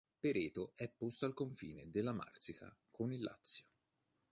Pereto è posto al confine della Marsica con il Lazio.